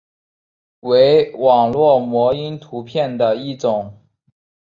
为网络模因图片的一种。